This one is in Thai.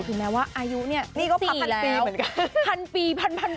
ถึงแม้ว่าอายุเนี่ยนี่ก็พันปีเหมือนกัน